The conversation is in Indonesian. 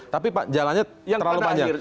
tapi pak jalannya terlalu panjang